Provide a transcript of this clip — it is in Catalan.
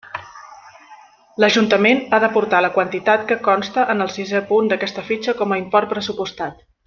L'Ajuntament ha d'aportar la quantitat que consta en el sisè punt d'aquesta fitxa com a import pressupostat.